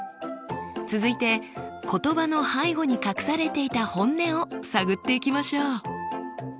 続いて言葉の背後に隠されていた本音を探っていきましょう。